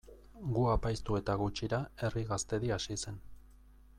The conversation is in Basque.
Gu apaiztu eta gutxira Herri Gaztedi hasi zen.